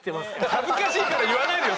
恥ずかしいから言わないでよ！